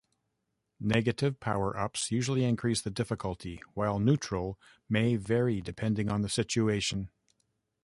Negative power-ups usually increases the difficulty, while neutral may vary depending on the situation.